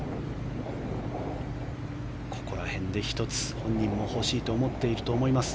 ここら辺で１つ本人も欲しいと思っていると思います。